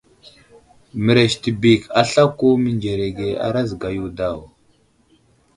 Mərez tibik aslako mənzerege a razga yo daw.